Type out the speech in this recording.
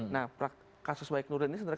nah kasus baik nuril ini sebenarnya